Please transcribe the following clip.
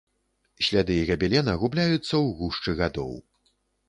Сляды габелена губляюцца ў гушчы гадоў.